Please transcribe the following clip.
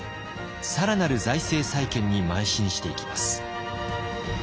更なる財政再建にまい進していきます。